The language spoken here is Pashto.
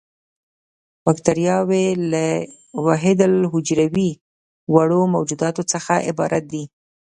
باکټریاوې له وحیدالحجروي وړو موجوداتو څخه عبارت دي.